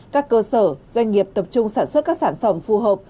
các cơ sở doanh nghiệp tập trung sản xuất các sản phẩm phù hợp